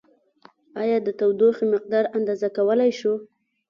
ایا د تودوخې مقدار اندازه کولای شو؟